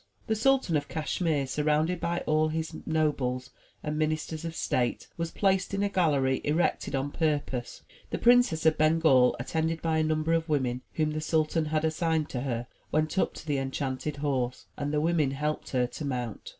The Sultan of Cashmere, surrounded by all his nobles and ministers of state, was placed in a gallery erected on purpose. The Princess of Bengal, attended by a number of women whom the sultan had assigned to her, went up to the enchanted horse, and the women helped her to mount.